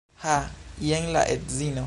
Ha! Jen la edzino.